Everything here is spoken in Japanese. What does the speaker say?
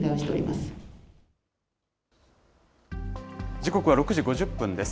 時刻は６時５０分です。